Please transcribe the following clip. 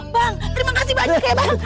bang terima kasih banyak ya bang